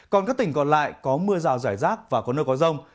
còn các tỉnh còn lại có mưa rào rải rác và có nơi có rông